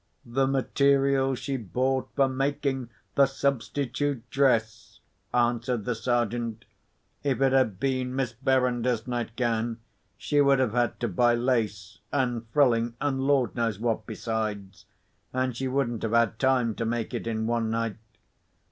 "The material she bought for making the substitute dress," answered the Sergeant. "If it had been Miss Verinder's nightgown, she would have had to buy lace, and frilling, and Lord knows what besides; and she wouldn't have had time to make it in one night.